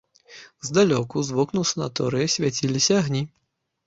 Здалёку, з вокнаў санаторыя, свяціліся агні.